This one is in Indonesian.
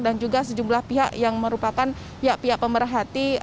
dan juga sejumlah pihak yang merupakan pihak pihak pemerhati